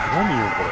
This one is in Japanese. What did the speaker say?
これ。